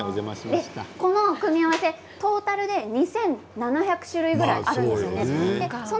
この組み合わせトータルで２７００種類ぐらいあるんですね。